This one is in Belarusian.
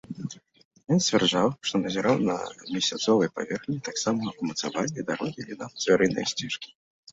Ён сцвярджаў, што назіраў на месяцавай паверхні таксама ўмацаванні, дарогі і нават звярыныя сцежкі.